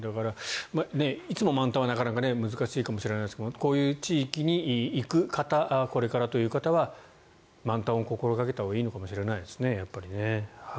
いつも満タンはなかなか難しいかもしれないですがこういう地域に行く方これからという方は満タンを心掛けたほうがいいのかもしれないですね。